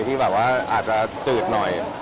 ที่แบบว่าอาจจะจืดหน่อย